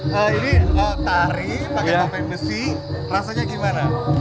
nah ini oh tari pakai kapel besi rasanya gimana